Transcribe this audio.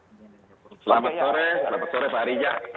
selamat sore selamat sore pak arija